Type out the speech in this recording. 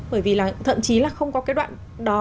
bởi vì là thậm chí là không có cái đoạn đó